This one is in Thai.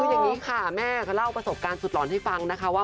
อันนี้แม่เล่าประสบการณ์สุดหลอนให้ฟังว่า